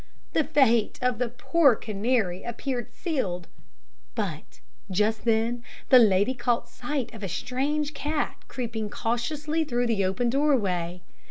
The fate of the poor canary appeared sealed; but just then the lady caught sight of a strange cat creeping cautiously through the open doorway.